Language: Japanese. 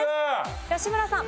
吉村さん。